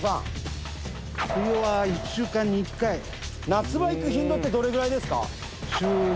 夏場行く頻度ってどれぐらいですか？